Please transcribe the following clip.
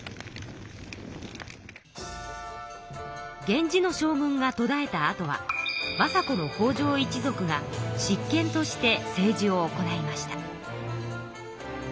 源氏の将軍がとだえたあとは政子の北条一族が執権として政治を行いました。